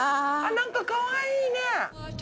なんかかわいいね。